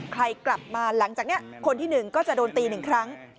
ใครกลับมาหลังจากนี้คนที่๑ก็จะโดนตี๑ครั้ง